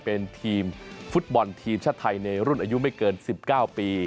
เป็นทีมฟุตบอลทีมชาติไทยในรุ่นอายุไม่เกิน๑๙ปี